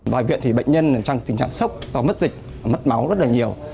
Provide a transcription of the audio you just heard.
bài viện thì bệnh nhân trong tình trạng sốc mất dịch mất máu rất là nhiều